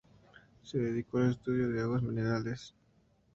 Se dedicó al estudio de las aguas minerales.